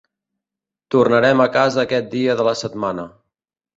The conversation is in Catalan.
Tornarem a casa aquest dia de la setmana.